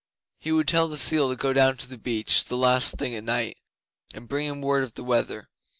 He would tell the seal to go down to the beach the last thing at night, and bring him word of the weather.